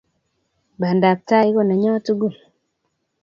Bandaptai ko nenyo tugul